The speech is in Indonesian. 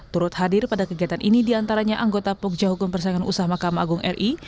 turut hadir pada kegiatan ini diantaranya anggota pogja hukum persaingan usaha mahkamah agung ri